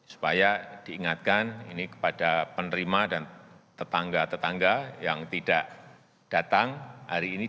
supaya diingatkan ini kepada penerima dan tetangga tetangga yang tidak datang hari ini